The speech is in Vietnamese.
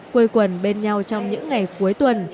quê quần bên nhau trong những ngày cuối tuần